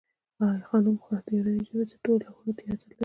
د آی خانم ښار د یوناني ژبې تر ټولو لرغونی تیاتر لري